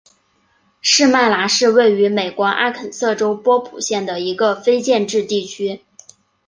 士麦拿是位于美国阿肯色州波普县的一个非建制地区。